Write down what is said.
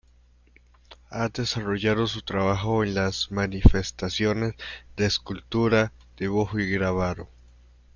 Ha desarrollado su trabajo en las manifestaciones de escultura, dibujo y grabado.